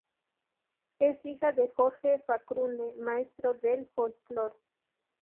Es hija de Jorge Cafrune, maestro del folclore.